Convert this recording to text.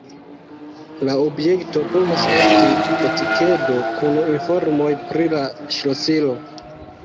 La objekto povas esti etikedo kun informoj pri la ŝlosilo.